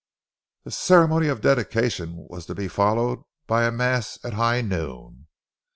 The ceremony of dedication was to be followed by mass at high noon.